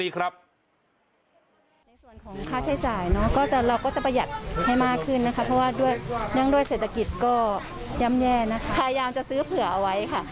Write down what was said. ก็ย่ำแย่นะพยายามจะซื้อเผื่อเอาไว้ค่ะ